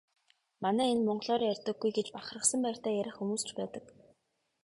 Манай энэ монголоор ярьдаггүй гэж бахархсан байртай ярих хүмүүс ч байдаг.